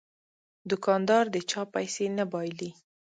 دوکاندار د چا پیسې نه بایلي.